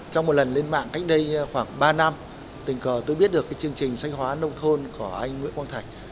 trong một lần lên mạng cách đây khoảng ba năm tình cờ tôi biết được cái chương trình sách khoa học nông thôn của anh nguyễn quang thạch